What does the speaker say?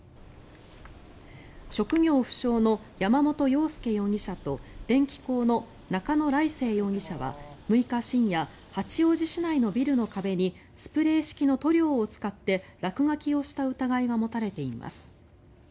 職業不詳の山本陽介容疑者と電気工の中野礼誠容疑者は６日深夜八王子市内のビルの壁にスプレー式の塗料を使って落書きをした疑いが持たれています。